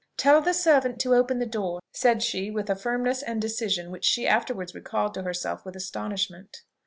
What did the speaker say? "Tell the servant to open the door," said she with a firmness and decision which she afterwards recalled to herself with astonishment.